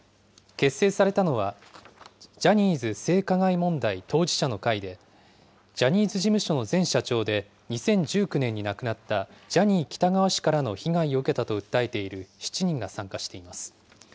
結成されたのは、ジャニーズ性加害問題当事者の会で、ジャニーズ事務所の前社長で２０１９年に亡くなったジャニー喜多川氏からの被害を受けたと訴えている７人が参加しています。